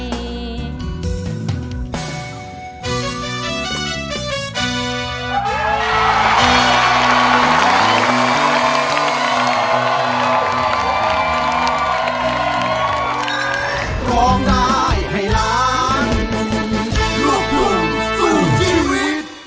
ดมกลิ่นแก่ซ้อนให้เธอเห็นใจ